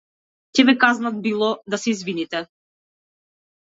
Ќе ве казнат било да се извините.